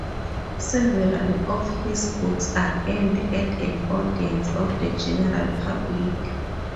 Several of his books are aimed at an audience of the general public.